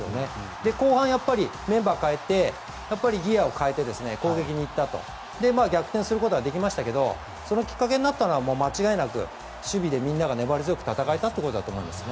後半、メンバーを代えてギアを変えて攻撃に行ったと。逆転することはできましたがそのきっかけになったのは守備でみんなが粘り強く戦えたってことだと思います。